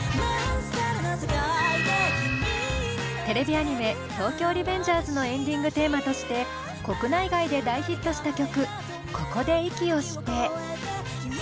テレビアニメ「東京リベンジャーズ」のエンディングテーマとして国内外で大ヒットした曲「ここで息をして」。